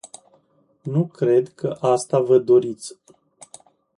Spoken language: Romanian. Nu cred că asta vă doriți.